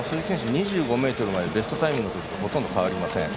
２５ｍまでベストタイムのときとほとんど変わりません。